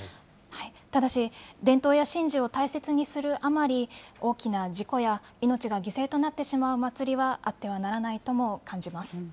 ただし、伝統や神事を大切にするあまり、大きな事故や命が犠牲となってしまう祭りは、あってはならないとも感じます。